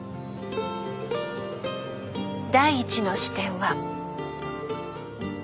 第１の視点は。